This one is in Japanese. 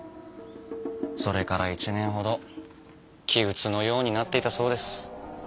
それから１年ほど気鬱のようになっていたそうです。